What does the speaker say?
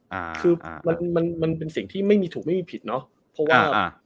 อ่าคือมันมันมันเป็นสิ่งที่ไม่มีถูกไม่มีผิดเนอะเพราะว่าอ่า